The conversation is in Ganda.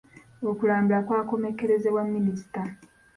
Okulambula kwakomekkerezebwa minisita.